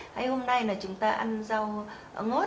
hay hôm nay là chúng ta ăn rau ngót